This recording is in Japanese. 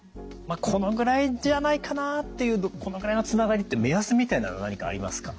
このぐらいじゃないかなっていうこのぐらいのつながりって目安みたいのは何かありますか？